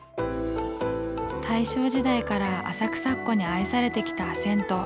大正時代から浅草っ子に愛されてきた銭湯。